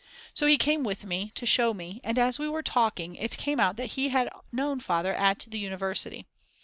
So he came with me to show me and as we were talking it came out that he had known Father at the university.